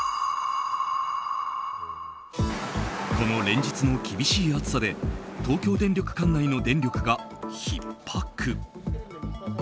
この連日の厳しい暑さで東京電力管内の電力がひっ迫。